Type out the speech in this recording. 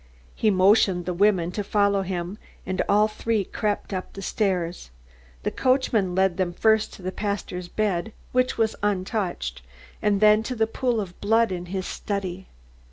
He motioned the women to follow him, and all three crept up the stairs. The coachman led them first to the pastor's bed, which was untouched, and then to the pool of blood in his study.